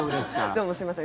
どうもすいません。